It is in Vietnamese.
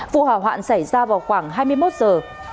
vụ hỏa hoạn xảy ra vào khoảng hai mươi một giờ